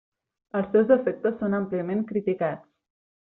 Els seus efectes són àmpliament criticats.